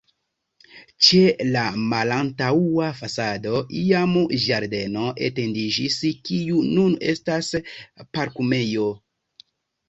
Ĉe la malantaŭa fasado iam ĝardeno etendiĝis, kiu nun estas parkumejo.